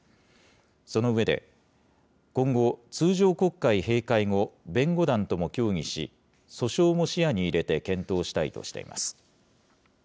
その上で、今後、通常国会閉会後、弁護団とも協議し、訴訟も視野に入れて検討したいとしています。